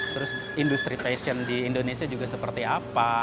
terus industri fashion di indonesia juga seperti apa